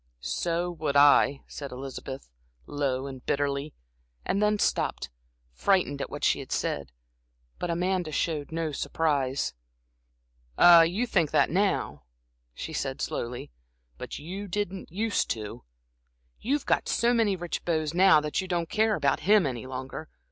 "So would I," said Elizabeth, low and bitterly, and then stopped, frightened at what she had said. But Amanda showed no surprise. "Ah, you think that now," she said, slowly, "but you didn't use to. You've got so many rich beaux now that you don't care about him any longer.